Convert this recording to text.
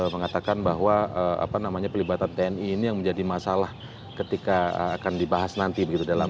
mengatakan bahwa pelibatan tni ini yang menjadi masalah ketika akan dibahas nanti